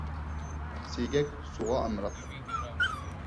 سىيگەك سۇغا ئامراق.